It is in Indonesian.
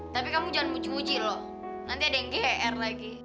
tapi kamu jangan muji muji loh nanti ada yang gr lagi